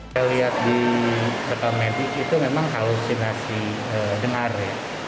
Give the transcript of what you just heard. saya lihat di rekam medis itu memang halusinasi dengar ya